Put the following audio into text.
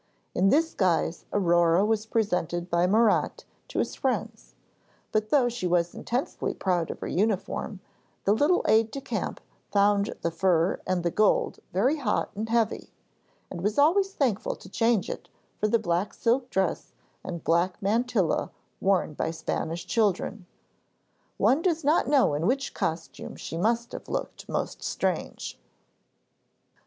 In this guise Aurore was presented by Murat to his friends, but though she was intensely proud of her uniform, the little aide de camp found the fur and the gold very hot and heavy, and was always thankful to change it for the black silk dress and black mantilla worn by Spanish children. One does not know in which costume she must have looked most strange.